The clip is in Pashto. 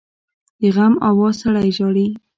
د غم آواز سړی ژاړي